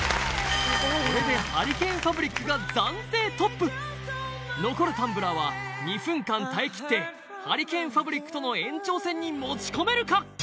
これでハリケーンファブリックが暫定トップ残るタンブラーは２分間耐えきってハリケーンファブリックとの延長戦に持ち込めるか？